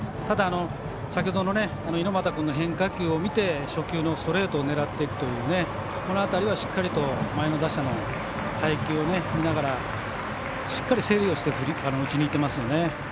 ただ、先ほどの猪俣君の変化球を見て初球のストレートを狙っていくというこの辺りはしっかりと前の打者の配球を見ながらしっかりと整理をして打ちにいっていますよね。